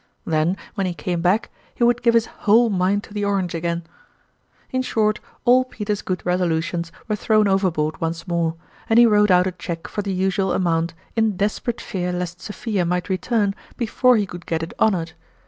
Then, when he came back, he would give his whole mind to the orange again. In short, all Peter's good resolutions were thrown overboard once more, and he wrote out a cheque for the usual amount in desperate fear lest Sophia might return before he could get it honored.